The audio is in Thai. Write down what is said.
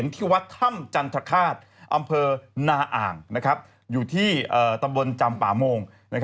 ที่วัดถ้ำจันทคาตอำเภอนาอ่างอยู่ที่ตำบลจำป่าโมง